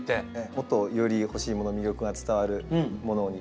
もっとより干し芋の魅力が伝わるものに。